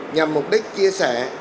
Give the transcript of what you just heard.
nhằm mục đích chia sẻ